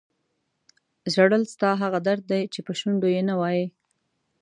ژړل ستا هغه درد دی چې په شونډو یې نه وایې.